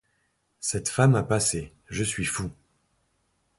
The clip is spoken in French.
Cette femme a passé: je suis fou.